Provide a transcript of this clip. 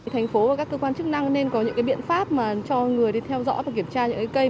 thành phố và các cơ quan chức năng nên có những biện pháp cho người đi theo dõi và kiểm tra những cây